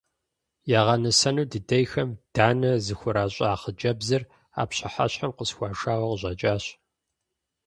Ягъэнысэну дыдейхэм данэ зыхуращӀа хъыджэбзыр а пщыхьэщхьэм къысхуашауэ къыщӀэкӀащ.